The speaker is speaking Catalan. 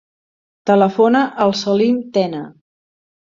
Telefona al Salim Tena.